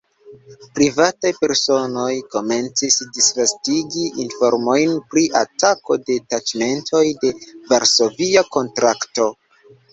Privataj personoj komencis disvastigi informojn pri atako de taĉmentoj de Varsovia Kontrakto.